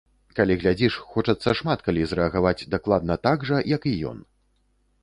Калі глядзіш, хочацца шмат калі зрэагаваць дакладна так жа, як і ён!